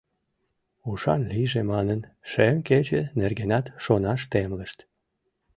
Ушан лийже манын, шем кече нергенат шонаш темлышт.